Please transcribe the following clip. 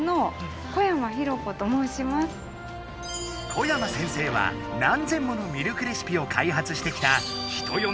小山先生は何千ものミルクレシピをかいはつしてきた人よ